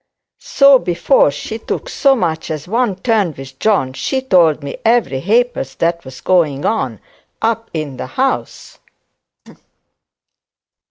So before she took so much as one turn with John, she told me every ha'porth that was going on up in the house.'